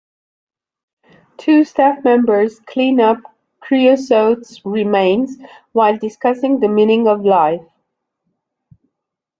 Two staff members clean up Creosote's remains while discussing the meaning of life.